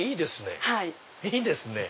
いいですね！